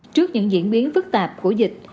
trước những diễn biến phức tạp của dịch